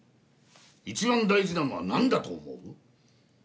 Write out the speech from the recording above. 一番大事なのはなんだと思う？